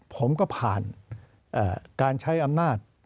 ผมก็ผ่านการใช้อำนาจ